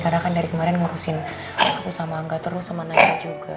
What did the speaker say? karena kan dari kemarin ngurusin aku sama angga terus sama naila juga